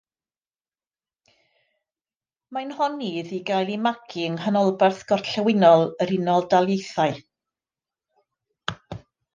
Mae'n honni iddi gael ei magu yng nghanolbarth gorllewinol yr Unol Daleithiau.